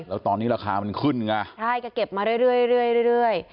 แล้วตอนนี้ราคามันขึ้นค่ะใช่แกเก็บมาเรื่อยเรื่อยเรื่อยเรื่อย